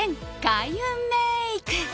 開運メイク。